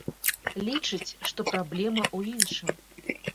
Лічыць, што праблема ў іншым.